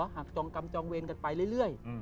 หักจองกรรมจองเวรกันไปเรื่อย